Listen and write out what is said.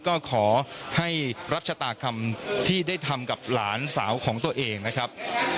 ก็ขอให้รับชะตาคำที่ได้ทำกับหลานสาวของตัวเองนะครับ